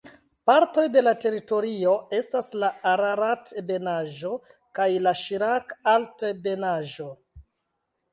Partoj de la teritorio estas la Ararat-ebenaĵo kaj la Ŝirak-altebenaĵo.